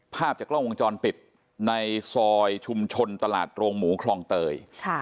ภาพจากกล้องวงจรปิดในซอยชุมชนตลาดโรงหมูคลองเตย